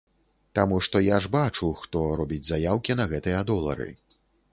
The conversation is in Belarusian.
Таму што я ж бачу, хто робіць заяўкі на гэтыя долары.